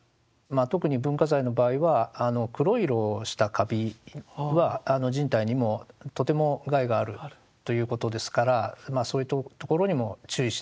特に文化財の場合は黒い色をしたカビは人体にもとても害があるということですからそういうところにも注意しながら。